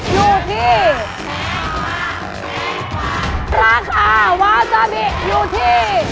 อยู่ที่